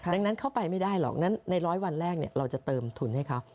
ดังนั้นเขาไปไม่ได้หรอกนั้นในร้อยวันแรกเราจะเติมทุนให้เขา